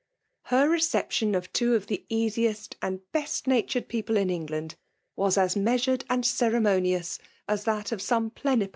Her * re ception of two of the easiest and best natured people in England was as measured and cere monious as that of some plenipo.